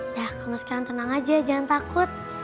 dah kamu sekian tenang aja jangan takut